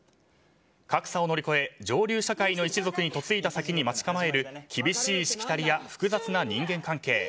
格差を乗り越え上流社会の一族に嫁いだ先に待ち構える厳しいしきたりや複雑な人間関係。